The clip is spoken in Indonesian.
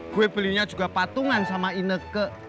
gue belinya juga patungan sama ineke